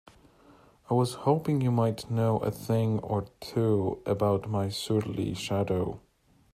I was hoping you might know a thing or two about my surly shadow?